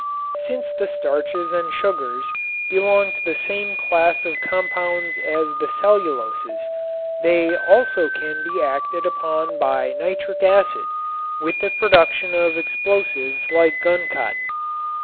Since the starches and sugars belong to the same class of compounds as the celluloses they also can be acted upon by nitric acid with the production of explosives like guncotton.